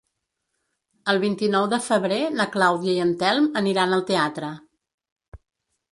El vint-i-nou de febrer na Clàudia i en Telm aniran al teatre.